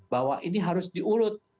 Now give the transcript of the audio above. bahwa ini harus diurut